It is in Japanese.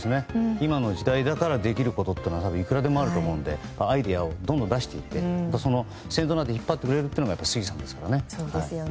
今の時代だからできることは多分、いくらでもあると思うのでアイデアをどんどん出していって先頭になって引っ張ってくれるのが杉さんですからね。